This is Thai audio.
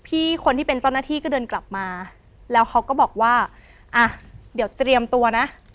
พี่คนที่เป็นเจ้าหน้าที่ก็เดินกลับมาแล้วเขาก็บอกว่าอ่ะเดี๋ยวเตรียมตัวนะ